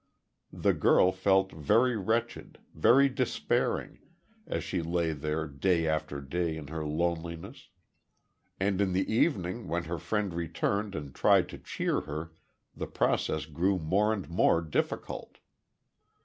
The girl felt very wretched, very despairing, as she lay there day after day in her loneliness. And in the evening when her friend returned and tried to cheer her, the process grew more and more difficult.